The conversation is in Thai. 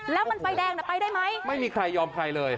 แล้วมันไฟแดงน่ะไปได้ไหมไม่มีใครยอมใครเลย